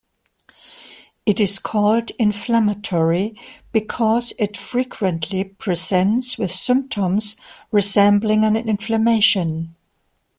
It is called inflammatory because it frequently presents with symptoms resembling an inflammation.